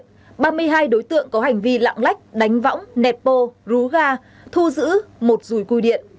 trong đó ba mươi hai đối tượng có hành vi lạng lách đánh võng nẹp bô rú ga thu giữ một rùi cui điện